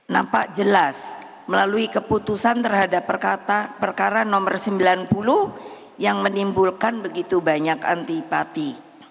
nampak jelas melalui keputusan terhadap perkara nomor sembilan puluh yang menimbulkan begitu banyak antipati